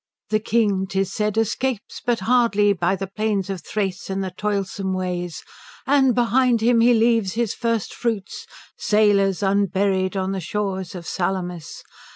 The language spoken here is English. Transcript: The king, 'tis said, escapes, but hardly, by the plains of Thrace and the toilsome ways, and behind him he leaves his first fruits sailors unburied on the shores of Salamis.